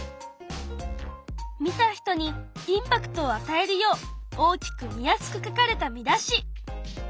見た人にインパクトをあたえるよう大きく見やすく書かれた見出し。